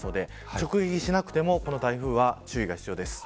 直撃しなくてもこの台風は注意が必要です。